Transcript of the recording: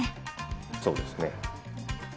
そうですね。